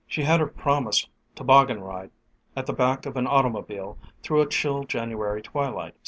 She had her promised toboggan ride at the back of an automobile through a chill January twilight.